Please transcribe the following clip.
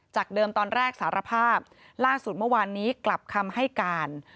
เดิมตอนแรกสารภาพล่าสุดเมื่อวานนี้กลับคำให้การ